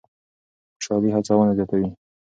خوشالي هڅونه زیاتوي.